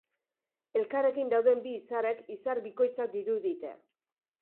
Elkarrekin dauden bi izarrek izar bikoitzak dirudite.